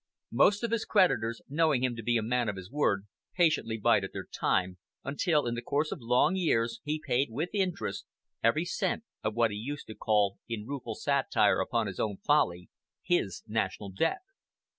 Most of his creditors, knowing him to be a man of his word, patiently bided their time, until, in the course of long years, he paid, with interest, every cent of what he used to call, in rueful satire upon his own folly, his "National Debt."